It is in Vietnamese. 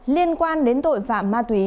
liên quan đến tội phạm ma túy